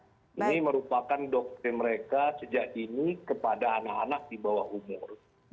ini merupakan doktrin mereka sejak ini kepada anak anak di bawah umur